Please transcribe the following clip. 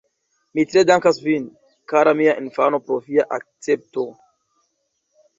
Mi tre dankas vin, kara mia infano pro via akcepto.